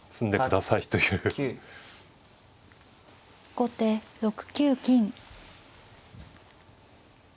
後手６九金。